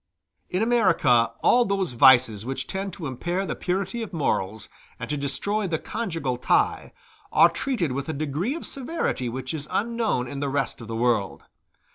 In America all those vices which tend to impair the purity of morals, and to destroy the conjugal tie, are treated with a degree of severity which is unknown in the rest of the world.